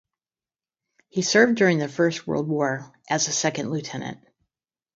He served during the First World War, as a second lieutenant.